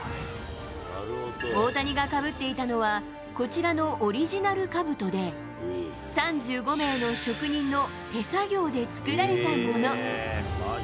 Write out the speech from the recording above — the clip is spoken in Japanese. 大谷がかぶっていたのは、こちらのオリジナルかぶとで、３５名の職人の手作業で作られたもの。